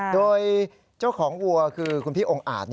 โดยเจ้าของวัวคือคุณพี่องค์อาจ